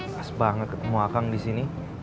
pas banget ketemu akang di sini